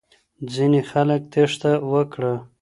ځینې خلک تیښته وکړه.